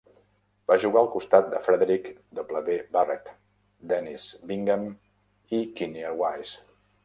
Va jugar al costat de Frederick W. Barrett, Dennis Bingham i Kinnear Wise.